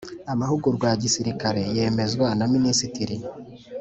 Amahugurwa ya gisirikare yemezwa na Minisitiri